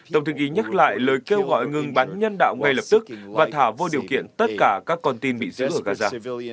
tổng thư ký nhắc lại lời kêu gọi ngừng bắn nhân đạo ngay lập tức và thả vô điều kiện tất cả các con tin bị giữ ở gaza